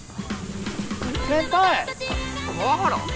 川原？